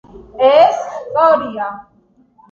ეს სწორია.